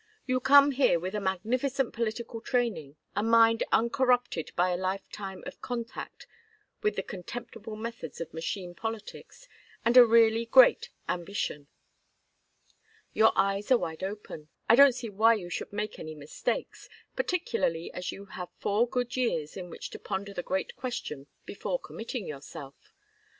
You come here with a magnificent political training, a mind uncorrupted by a lifetime of contact with the contemptible methods of machine politics, and a really great ambition. Your eyes are wide open. I don't see why you should make any mistakes, particularly as you have four good years in which to ponder the great question before committing yourself.